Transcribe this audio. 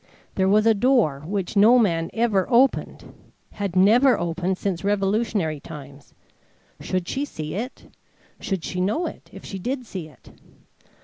There was a door which no man ever opened had never opened since Revolutionary times should she see it? Should she know it if she did see it?